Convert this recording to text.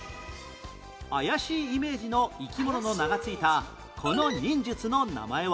怪しいイメージの生き物の名が付いたこの忍術の名前は？